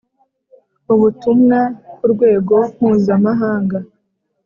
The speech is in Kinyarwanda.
ubutumwa ku rwego mpuzamahanga